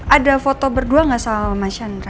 ada foto berdua nggak sama sama sandra